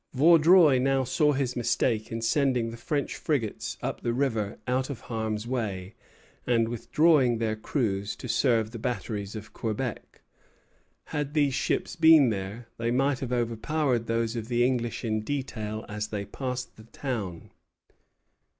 Vaudreuil now saw his mistake in sending the French frigates up the river out of harm's way, and withdrawing their crews to serve the batteries of Quebec. Had these ships been there, they might have overpowered those of the English in detail as they passed the town.